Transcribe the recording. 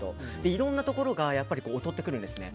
いろんなところが劣ってくるんですね。